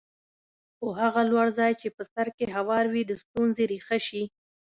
خو هغه لوړ ځای چې په سر کې هوار وي د ستونزې ریښه شي.